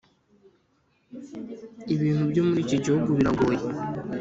Ibintu byo muri iki gihugu biragoye